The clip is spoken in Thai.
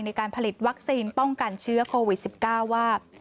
ในการผลิตวัคซีนป้องกันเชื้อโควิด๑๙ว่า